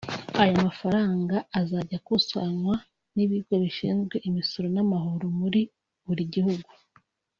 Aya mafaranga azajya akusanywa n’ibigo bishinzwe imisoro n’amahoro muri buri gihugu